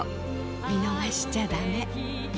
見逃しちゃだめ。